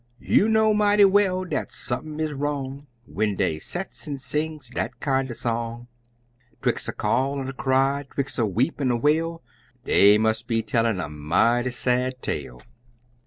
You know mighty well dat sump'n is wrong When dey sets an' sings dat kinder song, 'Twix' a call an' a cry, 'twix' a weep an' a wail Dey must be tellin' a mighty sad tale.